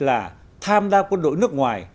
là tham gia quân đội nước ngoài